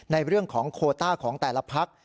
ในเรื่องของโคต้าของแต่ละพัก